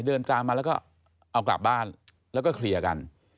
เดินตามมาแล้วก็เอากลับบ้านแล้วก็เคลียร์กัน